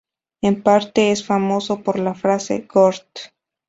En parte es famoso por la frase "¡Gort!